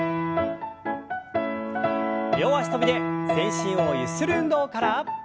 両脚跳びで全身をゆする運動から。